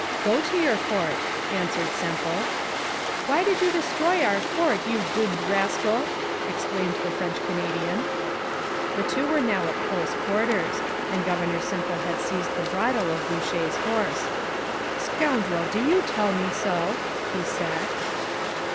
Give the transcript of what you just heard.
'Go to your fort,' answered Semple. 'Why did you destroy our fort, you d d rascal?' exclaimed the French Canadian. The two were now at close quarters, and Governor Semple had seized the bridle of Boucher's horse. 'Scoundrel, do you tell me so?' he said.